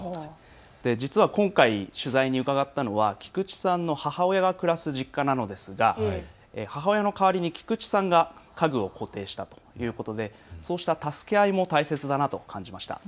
実は今回取材に伺ったのは菊池さんの母親が暮らす実家なのですが母親の代わりに菊池さんが家具を固定したということでそうした助け合いも大切だなと感じました。